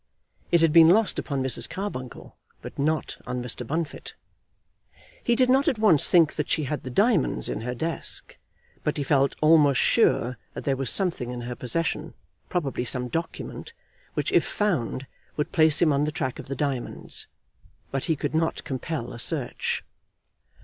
It had been lost upon Mrs. Carbuncle, but not on Mr. Bunfit. He did not at once think that she had the diamonds in her desk; but he felt almost sure that there was something in her possession, probably some document, which, if found, would place him on the track of the diamonds. But he could not compel a search.